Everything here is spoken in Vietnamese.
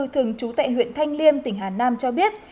thường trú tại huyện thanh liêm tỉnh hà nam cho biết